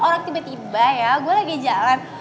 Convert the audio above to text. orang tiba tiba ya gue lagi jalan